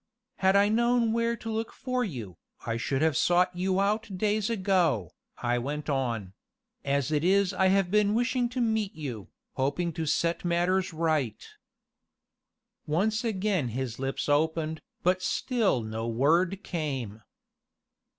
"Had I known where to look for you, I should have sought you out days ago," I went on; "as it is I have been wishing to meet you, hoping to set matters right." Once again his lips opened, but still no word came.